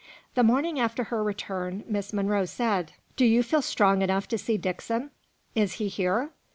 The morning after her return, Miss Monro said: "Do you feel strong enough to see Dixon?" "Is he here?"